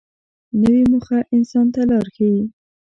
نوې موخه انسان ته لار ښیي